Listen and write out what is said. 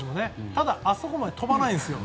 ただ、あそこまで飛ばないんですよ。